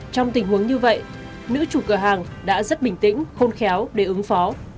trong tình huống như vậy nữ chủ cửa hàng đã rất bình tĩnh khôn khéo để ứng phó